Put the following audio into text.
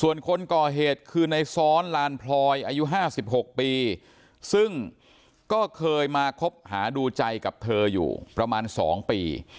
ส่วนคนก่อเหตุคือในซ้อนลานพลอยอายุ๕๖ปีซึ่งก็เคยมาคบหาดูใจกับเธออยู่ประมาณ๒ปี